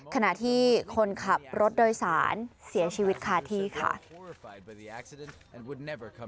ขณะที่คนขับรถโดยสารเสียชีวิตคาที่ค่ะ